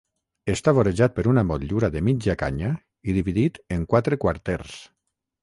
Està vorejat per una motllura de mitja canya i dividit en quatre quarters.